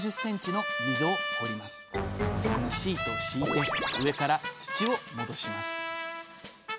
そこにシートを敷いて上から土を戻します